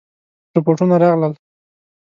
رپوټونه راغلل.